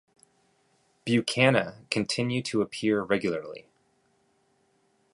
Buchana continue to appear regularly.